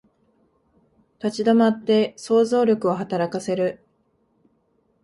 立ち止まって想像力を働かせる